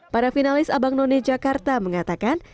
para finalis abangnone jakarta mengatakan